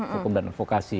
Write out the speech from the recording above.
hukum dan vokasi